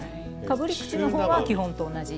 かぶり口の方は基本と同じ。